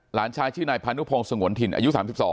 หลานชายชื่อนายพานุพงศ์สงวนถิ่นอายุ๓๒